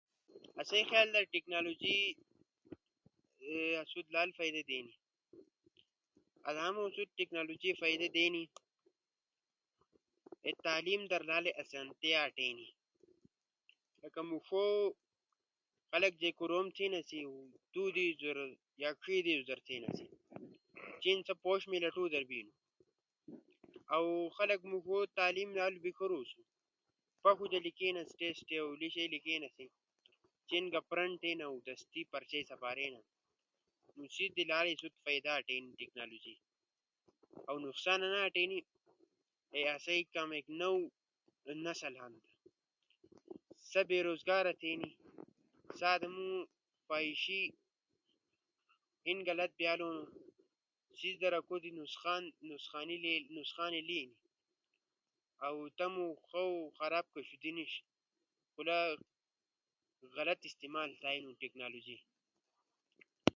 آسئی خیال در ٹیکنالوجی آسو تی لالو فائدا بینی۔ آدامو آسو تی ٹیکنالوجی فائدا دینی اے تعلیم در لالے اسانتیا آٹئینی، لکہ موݜو تی خلگ جے کوروم تھینا تھیو دو دیس در یا ڇے دیس در ڇیناسی چین سا پونش میلٹو در بینا۔ اؤ خلقو موݜو تی تعلیم لالو بیکھرو اسُو۔ پݜو در لیجینا سی اؤ لیشیئی لکیناسی چین گا پرنٹ تھینا اؤ دستی پرچے سپارینا۔ نو چین تی لالو فائدا آٹینا ٹیکنالوجی در اؤ نقصانا نہ آٹینی۔ جے آسئی کامیک نو نسل ہنو۔ سا بیروزگارا تھینی، سا آدامو فحاشی این غلط تھیالو، سیس دراکو تی نقصانی لے ہنو۔ اؤ تمو خہ او خراب کہ شودی نیِش۔ خو لا غلط استعمال تھئینو ٹیکنالوجی۔